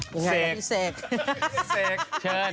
ยังไงครับพี่เด็กเชิญ